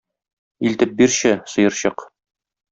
Илтеп бирче, сыерчык.